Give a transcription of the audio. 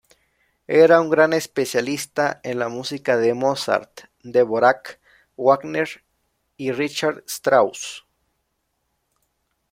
Era un gran especialista en la música de Mozart, Dvorak, Wagner y Richard Strauss.